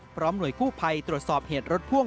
หน่วยกู้ภัยตรวจสอบเหตุรถพ่วง